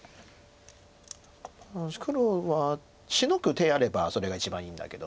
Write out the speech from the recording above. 黒はシノぐ手あればそれが一番いいんだけど。